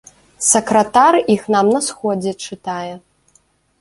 Сакратар іх нам на сходзе чытае.